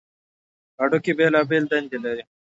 هډوکي بېلابېلې دندې لري.